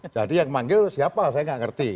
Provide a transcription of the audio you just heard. jadi yang manggil siapa saya gak ngerti